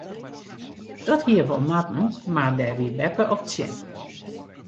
Dat hie wol moatten mar dêr wie beppe op tsjin.